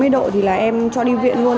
hai mươi độ thì là em cho đi viện luôn